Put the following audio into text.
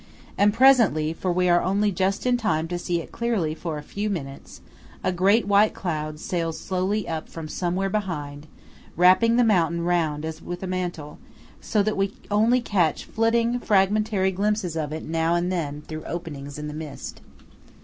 And presently–for we are only just in time to see it clearly for a few minutes–a great white cloud sails slowly up from somewhere behind, wrapping the mountain round as with a mantle, so that we only catch flitting, fragmentary glimpses of it now and then, through openings in the mist.